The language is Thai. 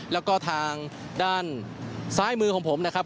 แล้วก็ทางด้านซ้ายมือของผมนะครับ